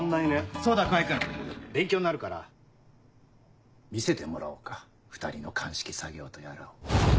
そうだ川合君勉強になるから見せてもらおうか２人の鑑識作業とやらを。